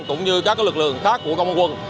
cũng như các lực lượng khác của công an quận